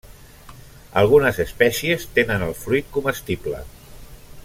Algunes espècies tenen el fruit comestible.